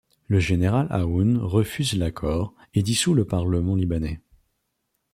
Le général Aoun refuse l'accord et dissout le Parlement libanais.